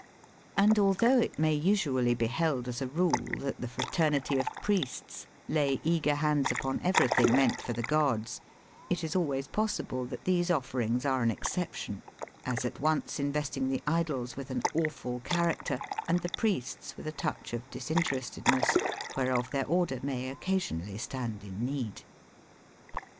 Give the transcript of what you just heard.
' And although it may usually be held as a rule, that the fraternity of priests lay eager hands upon everything meant for the gods, it is always possible that these offerings are an exception : as at once investing the idols with an awful character, and the priests with a touch of disinterested ness, whereof their order may occasionally stand in need.